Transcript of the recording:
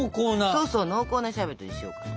そうそう濃厚なシャーベットにしようかと。